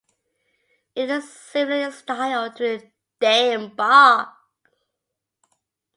It is similar in style to a Daim bar.